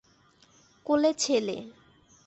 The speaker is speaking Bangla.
কোলে ছেলে।